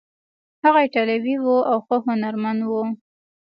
هغه ایټالوی و او ښه هنرمند و.